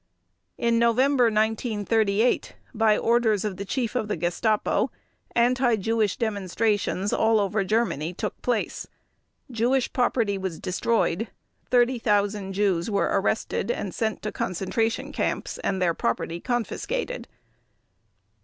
In November 1938, by orders of the Chief of the Gestapo, anti Jewish demonstrations all over Germany took place. Jewish property was destroyed, 30,000 Jews were arrested and sent to concentration camps and their property confiscated.